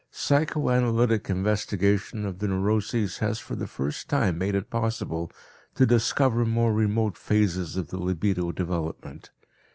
Psychoanalytic investigation of the neuroses has for the first time made it possible to discover more remote phases of the libido development.